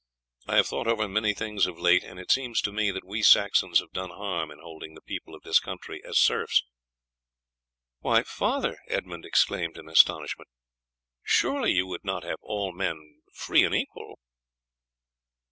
I have thought over many things of late, and it seems to me that we Saxons have done harm in holding the people of this country as serfs." "Why, father," Edmund exclaimed in astonishment, "surely you would not have all men free and equal."